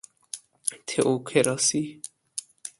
تئوکراسی